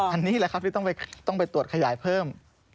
อันนี้แหละครับที่ต้องไปตรวจขยายเพิ่ม